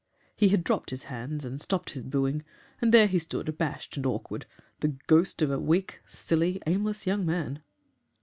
"He had dropped his hands and stopped his booing, and there he stood, abashed and awkward, the ghost of a weak, silly, aimless young man.